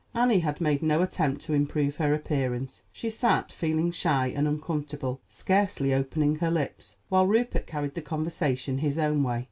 Annie had made no attempt to improve her appearance; she sat, feeling shy and uncomfortable, scarcely opening her lips, while Rupert carried the conversation his own way.